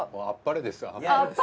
あっぱれですか。